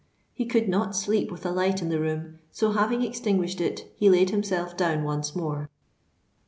He could not sleep with a light in the room; so, having extinguished it, he laid himself down once more.